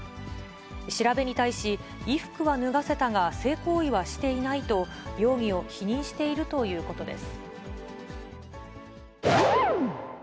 調べに対し、衣服は脱がせたが、性行為はしていないと、容疑を否認しているということです。